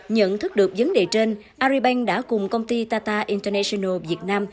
nhận thức được vấn đề trên aribank đã cùng công ty tata international việt nam